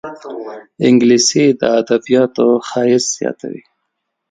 انګلیسي د ادبياتو ښایست زیاتوي